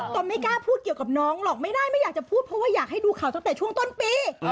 ไม่กล้าพูดเกี่ยวกับน้องหรอกไม่ได้ไม่อยากจะพูดเพราะว่าอยากให้ดูข่าวตั้งแต่ช่วงต้นปี